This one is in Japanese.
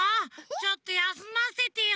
ちょっとやすませてよ